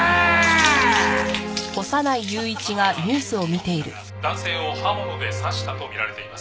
「架川英児容疑者が男性を刃物で刺したと見られています」